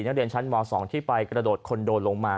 นักเรียนชั้นม๒ที่ไปกระโดดคอนโดลงมา